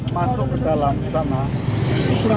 tidak diketahui oleh banyak orang